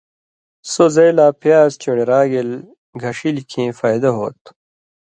سو زئ لا پیاز چن٘ڑیۡ را گیل گھݜِلیۡ کھیں فائدہ ہوتُھو۔